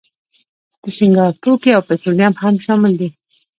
د سینګار توکي او پټرولیم هم شامل دي.